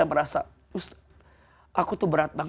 air j mau menambah bang'